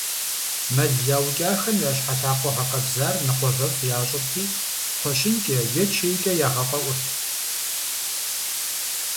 Мэл яукӀахэм я щхьэ-лъакъуэ гъэкъэбзар ныкъуэвэфӀ ящӀырти, кхъуэщынкӀэ е чейкӀэ ягъэфӀэӀурт.